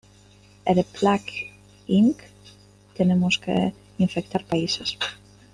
En Plague Inc tenemos que infectar países.